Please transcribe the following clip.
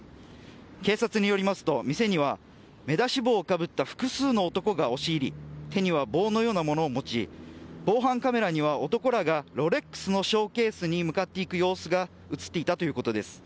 警察によりますと店には目出し帽をかぶった複数の男が押し入り手には棒のようなものを持ち防犯カメラには、男らがロレックスのショーケースに向かっていく姿が映っていたということです。